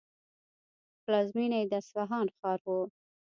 پلازمینه یې د اصفهان ښار و.